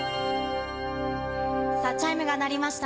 チャイムが鳴りました。